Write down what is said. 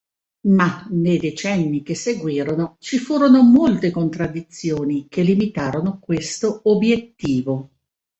Ma, nei decenni che seguirono, ci furono molte contraddizioni che limitarono questo obiettivo.